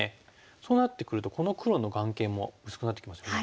そうなってくるとこの黒の眼形も薄くなってきますね。